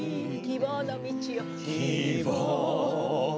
「希望の道を」